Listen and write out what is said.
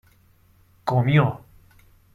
comió